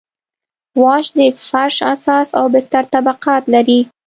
واش د فرش اساس او بستر طبقات لري